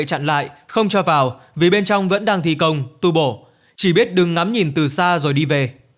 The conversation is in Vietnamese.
chặn lại không cho vào vì bên trong vẫn đang thi công tu bổ chỉ biết đừng ngắm nhìn từ xa rồi đi về